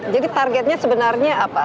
jadi targetnya sebenarnya apa